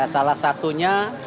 ya salah satunya